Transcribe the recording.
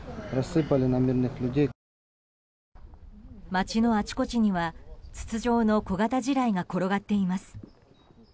街のあちこちには筒状の小型地雷が転がっています。